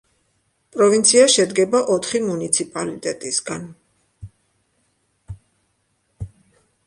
პროვინცია შედგება ოთხი მუნიციპალიტეტისგან.